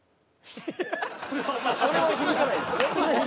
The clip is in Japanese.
それは響かないんですね。